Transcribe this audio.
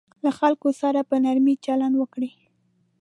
له خلکو سره په نرمي چلند وکړئ.